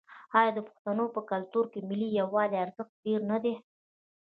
آیا د پښتنو په کلتور کې د ملي یووالي ارزښت ډیر نه دی؟